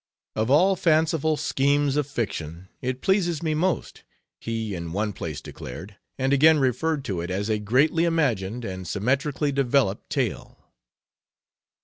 "Of all fanciful schemes of fiction it pleases me most," he in one place declared, and again referred to it as "a greatly imagined and symmetrically developed tale."